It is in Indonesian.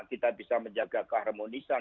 kita bisa menjaga keharmonisan